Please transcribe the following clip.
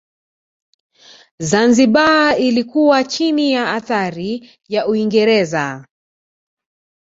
Zanzibar ilikuwa chini ya athari ya Uingereza